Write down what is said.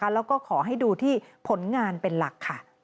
แล้วก็ขอให้ดูที่ผลงานเป็นหลักค่ะ